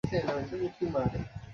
অবুঝের মতো কিছু করবে বলে মনে হয় না।